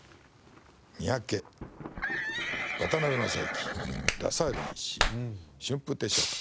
三宅渡辺正行ラサール石井春風亭昇太